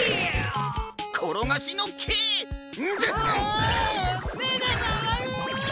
うわめがまわる。